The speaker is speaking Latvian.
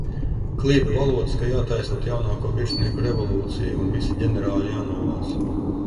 Klīda valodas, ka jātaisot jaunāko virsnieku revolūcija un visi ģenerāļi jānovāc.